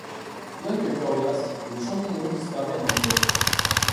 Bien que coriace, le champignon disparait en hiver.